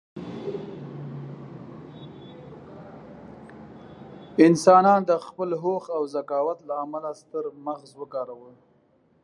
انسانان د خپل هوښ او ذکاوت له امله ستر مغز وکاروه.